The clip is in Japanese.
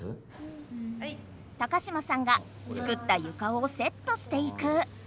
高嶋さんが作ったゆかをセットしていく。